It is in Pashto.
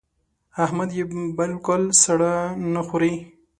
احمد يې بالکل سړه نه خوري.